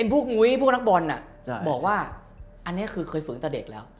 พวกงุยพวกนักบอลอ่ะบอกว่าอันนี้คือเคยฝึงตั้งแต่เด็กแล้ว